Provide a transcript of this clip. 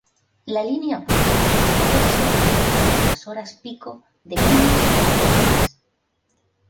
La línea Púrpura opera solamente durante las horas pico de lunes a viernes.